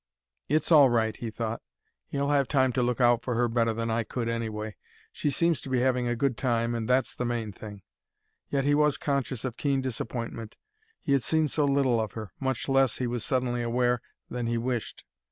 "It's all right," he thought. "He'll have time to look out for her better than I could, anyway; she seems to be having a good time, and that's the main thing." Yet he was conscious of keen disappointment; he had seen so little of her much less, he was suddenly aware, than he wished.